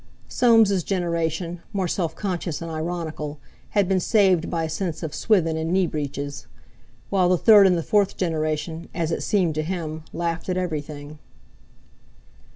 Soames' generation, more self conscious and ironical, had been saved by a sense of Swithin in knee breeches. While the third and the fourth generation, as it seemed to him, laughed at everything.